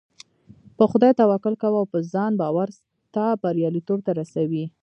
په خدای توکل کوه او په ځان باور تا برياليتوب ته رسوي .